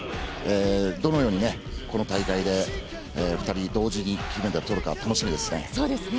どのようにこの大会で２人同時に金メダルを取るか楽しみですね。